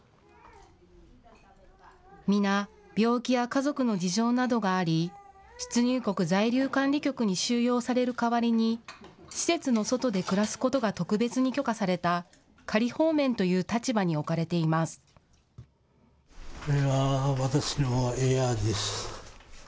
皆、病気や家族の事情などがあり出入国在留管理局に収容される代わりに施設の外で暮らすことが特別に許可された仮放免という立場に置かれています。